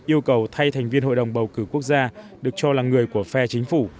yêu cầu thay thành viên hội đồng bầu cử quốc gia được cho là người của phe chính phủ